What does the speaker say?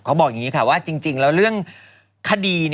บอกอย่างนี้ค่ะว่าจริงแล้วเรื่องคดี